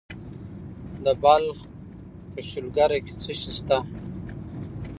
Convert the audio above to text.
د بلخ په شولګره کې څه شی شته؟